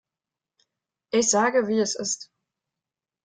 Ich sage, wie es ist.